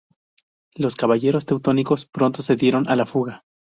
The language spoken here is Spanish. Los caballeros teutónicos pronto se dieron a la fuga.